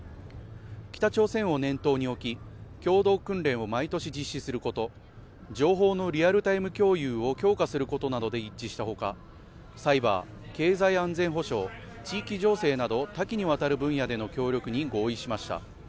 北朝鮮を念頭に置き共同訓練を毎年実施すること情報のリアルタイム共有を強化することなどで一致したほかサイバー、経済安全保障地域情勢など多岐にわたる分野での協力に合意しました